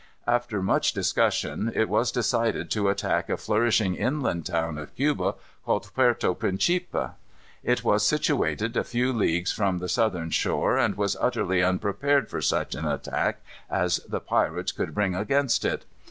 After much discussion it was decided to attack a flourishing inland town of Cuba, called Puerto Principe. It was situated a few leagues from the southern shore, and was utterly unprepared for such an attack as the pirates could bring against it.